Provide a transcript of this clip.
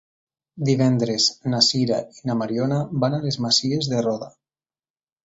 Divendres na Sira i na Mariona van a les Masies de Roda.